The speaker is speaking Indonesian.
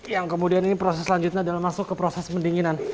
yang kemudian ini proses selanjutnya adalah masuk ke proses pendinginan